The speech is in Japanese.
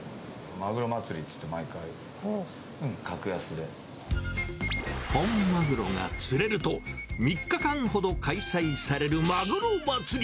マグロ祭りっていって、毎回、本マグロが釣れると、３日間ほど開催されるマグロ祭り。